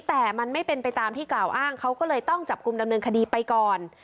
แต่มันไม่เป็นไปตามที่กล่าวอ้างเขาก็เลยต้องจับกลุ่มดำเนินคดีไปก่อน